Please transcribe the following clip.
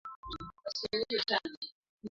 Hutokea katika kaunti nyingi nchini